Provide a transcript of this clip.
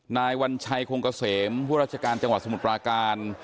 นายวัญชัยคงเกษมผู้ราชการจังหวัดสมุทรปราการ